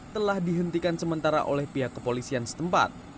telah dihentikan sementara oleh pihak kepolisian setempat